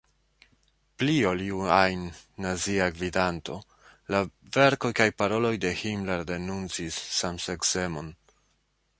Pli ol iu ajn Nazia gvidanto, la verkoj kaj paroloj de Himmler denuncis samseksemon.